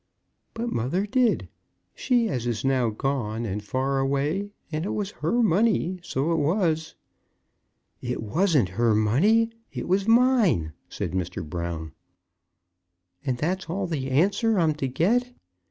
"But mother did; she as is now gone, and far away; and it was her money, so it was." "It wasn't her money; it was mine!" said Mr. Brown. "And that's all the answer I'm to get?